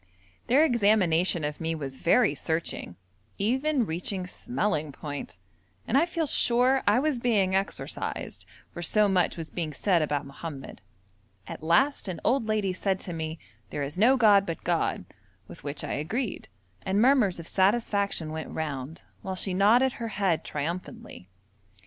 Their examination of me was very searching, even reaching smelling point, and I feel sure I was being exorcised, for so much was being said about Mohammed. At last an old lady said to me, 'There is no god but God!' with which I agreed, and murmurs of satisfaction went round, while she nodded her head triumphantly.